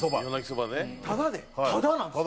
タダなんですよ。